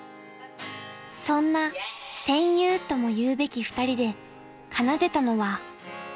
［そんな戦友ともいうべき２人で奏でたのは］